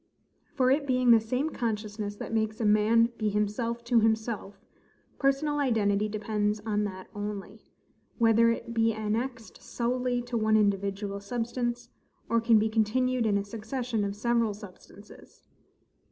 For, it being the same consciousness that makes a man be himself to himself, personal identity depends on that only, whether it be annexed solely to one individual substance, or can be continued in a succession of several substances.